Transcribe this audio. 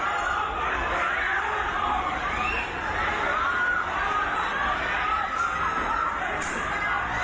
นั้นก็มาแล้วครับ